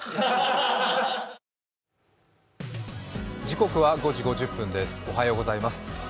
時刻は５時５０分です、おはようございます。